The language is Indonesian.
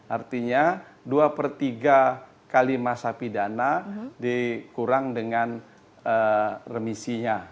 artinya dua per tiga kali masa pidana dikurang dengan remisinya